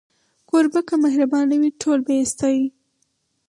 کوربه که مهربانه وي، ټول به يې ستایي.